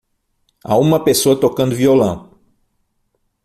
Há uma pessoa tocando violão.